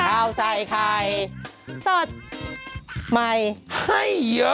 เราใส่ใครสดใหม่ให้เยอะ